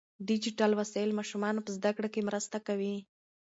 ډیجیټل وسایل ماشومان په زده کړه کې مرسته کوي.